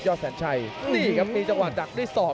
กระโดยสิ้งเล็กนี่ออกกันขาสันเหมือนกันครับ